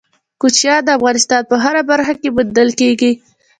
کوچیان د افغانستان په هره برخه کې موندل کېږي.